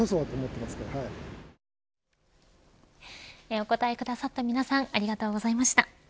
お答えくださった皆さんありがとうございました。